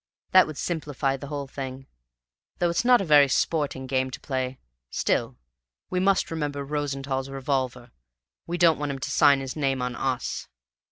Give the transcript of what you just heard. That would simplify the whole thing, though it's not a very sporting game to play; still, we must remember Rosenthall's revolver; we don't want him to sign his name on US.